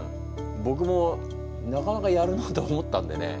ぼくもなかなかやるなと思ったんでね。